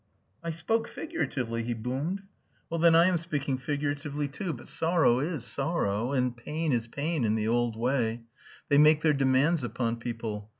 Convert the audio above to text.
"I spoke figuratively," he boomed. "Well, then, I am speaking figuratively too. But sorrow is sorrow and pain is pain in the old way. They make their demands upon people.